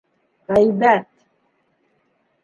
Ғәйбәт!